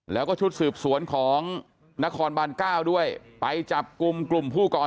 แล้วก็ชุดสืบสวนของนครบาน๙ด้วยไปจับกลุ่มกลุ่มผู้ก่อเหตุ